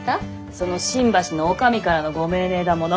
その新橋の女将からのご命令だもの。